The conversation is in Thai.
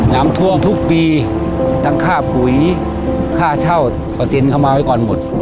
น้ำท่วมทุกปีทั้งค่าปุ๋ยค่าเช่าเปอร์เซ็นต์เข้ามาไว้ก่อนหมด